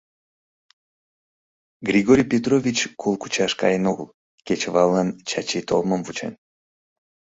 Григорий Петрович кол кучаш каен огыл, кечываллан Чачи толмым вучен.